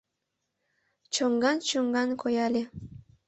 Чоҥган-чоҥган кояле -